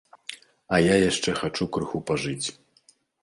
А я яшчэ хачу крыху пажыць.